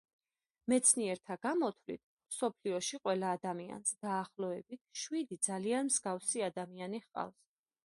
მეცნიერთა გამოთვლით, მსოფლიოში ყველა ადამიანს, დაახლოებით, შვიდი ძალიან მსგავსი ადამიანი ჰყავს.